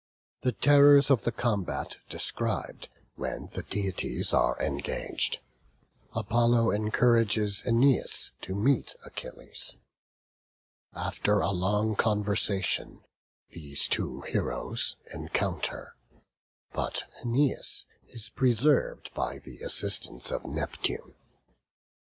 The terrors of the combat described when the deities are engaged. Apollo encourages Æneas to meet Achilles. After a long conversation, these two heroes encounter; but Æneas is preserved by the assistance of Neptune.